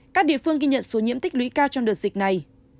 các địa phương ghi nhận số nhiễm tích lũy cao trong đợt dịch này